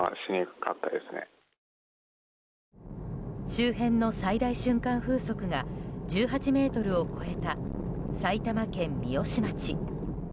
周辺の最大瞬間風速が１８メートルを超えた埼玉県三芳町。